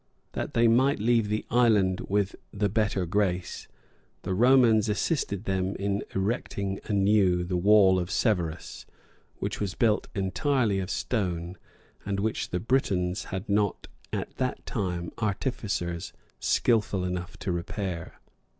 [*] That they might leave the island with the better grace, the Romans assisted them in erecting anew the wall of Severus, which was built entirely of stone, and which the Britons had not at that time artificers skilful enough to repair.